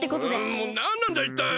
もうなんなんだいったい！